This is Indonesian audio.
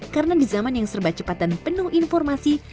karena di zaman yang serba cepat dan penuh informasi